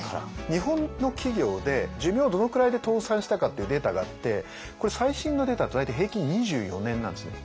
日本の企業で寿命どのくらいで倒産したかっていうデータがあってこれ最新のデータだと大体平均２４年なんですね。